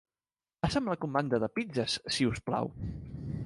Passa'm la comanda de pizzes, si us plau.